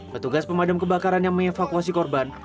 petugas pemadam kebakaran yang mengevakuasi korban